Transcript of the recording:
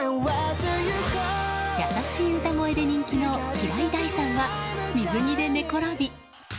優しい歌声で人気の平井大さんは水着で寝ころび